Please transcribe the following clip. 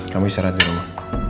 kamu istirahat di rumah